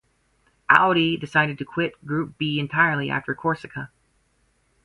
Audi decided to quit Group B entirely after Corsica.